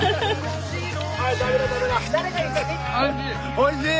おいしい。